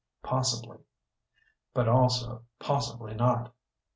Possibly. But also possibly not.